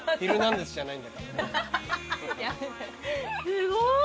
すごーい。